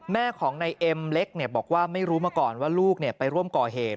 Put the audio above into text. แม่ของนายเอ็มเล็กบอกว่าไม่รู้มาก่อนว่าลูกไปร่วมก่อเหตุ